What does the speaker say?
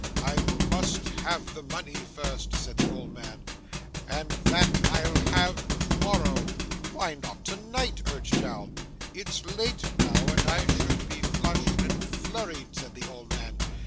'I must have the money first,' said the old man; 'and that I'll have to morrow ' 'Why not to night?' urged Jowl. 'It's late now, and I should be flushed and flurried,' said the old man.